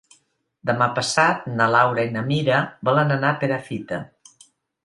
Demà passat na Laura i na Mira volen anar a Perafita.